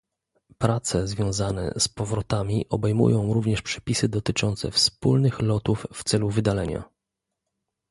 Prace związane z powrotami obejmują również przepisy dotyczące wspólnych lotów w celu wydalenia